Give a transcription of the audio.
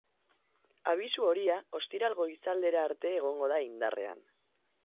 Abisu horia ostiral goizaldera arte egongo da indarrean.